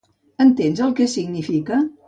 Entens el que significa?